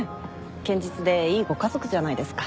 堅実でいいご家族じゃないですか。